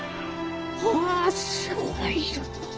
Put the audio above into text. はあすごいのう。